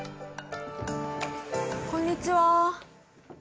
こんにちは。